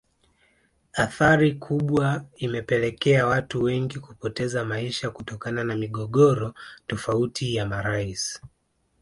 Athari kubwa imepelekea watu wengi kupoteza maisha kutokana na migogoro tofauti ya marais